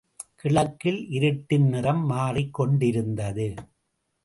கிழக்கில், இருட்டின் நிறம் மாறிக்கொண்டிருந்தது.